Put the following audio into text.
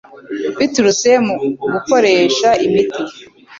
biturutse ku gukoresha imiti.